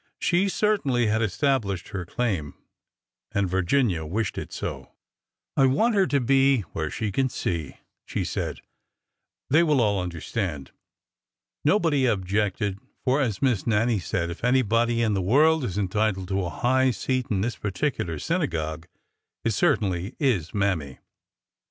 She certainly had established her claim, and Vir ginia wished it so. HER WEDDING DAY 415 I want her to be where she can see," she said. They will all understand." Nobody objected, for, as Miss Nannie said : If any body in the world is entitled to a high seat in this particu lar synagogue, it certainly is Mammy